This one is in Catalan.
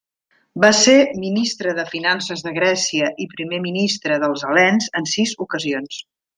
Va ser ministre de finances de Grècia i Primer Ministre dels Hel·lens en sis ocasions.